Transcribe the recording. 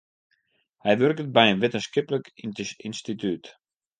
Hy wurket by in wittenskiplik ynstitút.